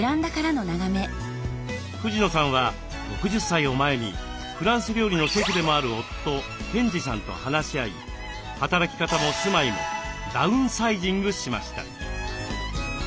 藤野さんは６０歳を前にフランス料理のシェフでもある夫賢治さんと話し合い働き方も住まいもダウンサイジングしました。